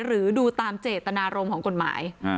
หรือดูตามเจตนารมณ์ของกฎหมาย